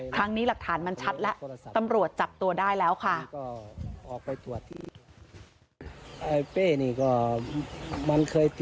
ครั้งนี้หลักฐานมันชัดแล้วตำรวจจับตัวได้แล้วค่ะ